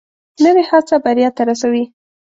نوې هڅه بریا ته رسوي